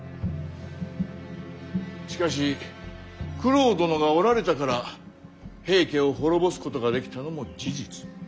しかし九郎殿がおられたから平家を滅ぼすことができたのも事実。